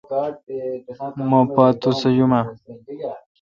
مہ پا توسہ یوماؘ۔